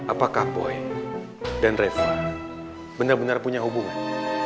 apakah boy dan reva bener bener punya hubungan